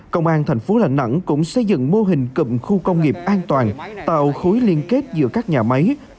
công an thành phố đà nẵng cũng xây dựng mô hình cụm khu công nghiệp an toàn tạo khối liên kết giữa các nhà máy